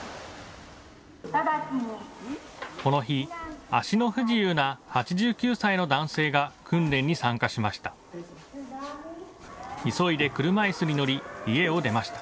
この日、足の不自由な８９歳の男性が訓練に参加しました。